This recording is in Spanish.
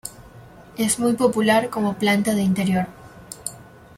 Es muy popular como planta de interior.